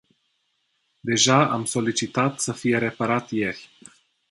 Deja am solicitat să fie reparat ieri.